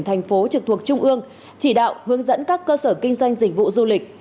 thành phố trực thuộc trung ương chỉ đạo hướng dẫn các cơ sở kinh doanh dịch vụ du lịch